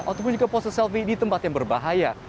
ataupun juga pose selfie di tempat yang berbahaya